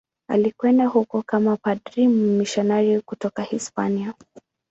Alikwenda huko kama padri mmisionari kutoka Hispania.